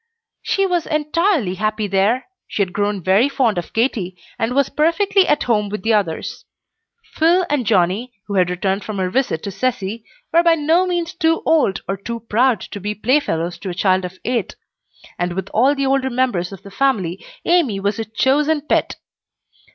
She was entirely happy there. She had grown very fond of Katy, and was perfectly at home with the others. Phil and Johnnie, who had returned from her visit to Cecy, were by no means too old or too proud to be play fellows to a child of eight; and with all the older members of the family Amy was a chosen pet.